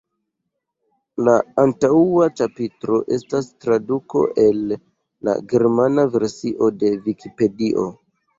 La antaŭa ĉapitro estas traduko el la germana versio de vikipedio.